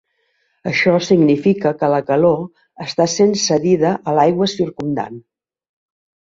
Això significa que la calor està sent cedida a l'aigua circumdant.